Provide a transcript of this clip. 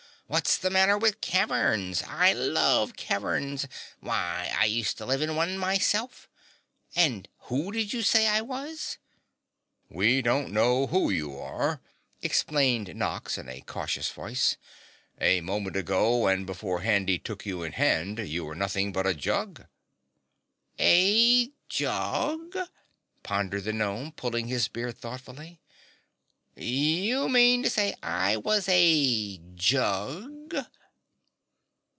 "What's the matter with caverns? I LOVE caverns, why I used to live in one myself. And who did you say I was?" "We don't know who you are," explained Nox, in a cautious voice. "A moment ago and before Handy took you in hand, you were nothing but a jug." "A jug?" pondered the gnome pulling his beard thoughtfully. "You mean to say I was a JUG?"